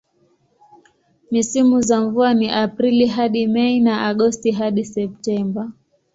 Misimu za mvua ni Aprili hadi Mei na Agosti hadi Septemba.